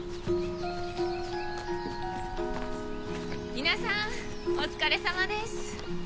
皆さんお疲れさまです。